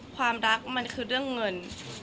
ความรักมันคือเรื่องเงิน